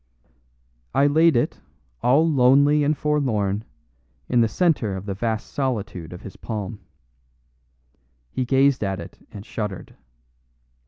I laid it, all lonely and forlorn, in the center of the vast solitude of his palm. He gazed at it and shuddered.